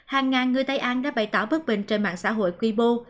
hàng ngàn người tây an đã bày tỏ bất bình trên mạng xã hội weibo